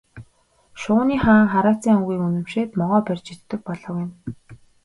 Шувууны хаан хараацайн үгийг үнэмшээд могой барьж иддэг болов гэнэ.